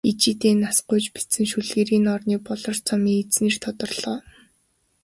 Ижийдээ нас гуйж бичсэн шүлгээр энэ оны "Болор цом"-ын эзнээр тодорлоо.